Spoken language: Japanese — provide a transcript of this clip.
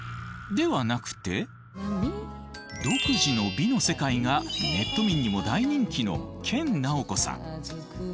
ではなくて独自の美の世界がネット民にも大人気の研ナオコさん。